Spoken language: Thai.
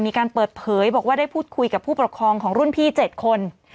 มีการเปิดเผยบอกว่าได้พูดคุยกับผู้ปกครองของรุ่นพี่๗คน